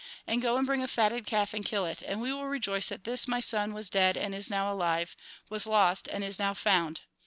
And go and bring a fatted calf and kill it, and we will rejoice that this my son was dead and is now alive, was lost and is now found.'